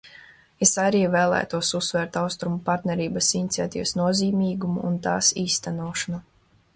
Es arī vēlētos uzsvērt Austrumu partnerības iniciatīvas nozīmīgumu un tās īstenošanu.